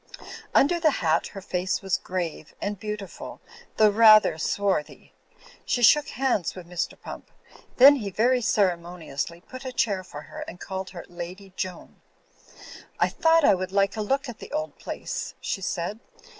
Under the hat her face was grave and beautiful though rather swarthy. She slTook hands with Mr. Pump; then he very cere u,y,u.«ubyGOOgL 34 THE FLYING INN moniously put a chair for her and caUed her "Lady Joan." "I thought I would like a look at the old place," she said.